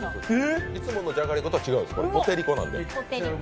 いつものじゃがりことは違うんですよ、ポテりこなんで。